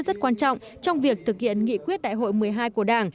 rất quan trọng trong việc thực hiện nghị quyết đại hội một mươi hai của đảng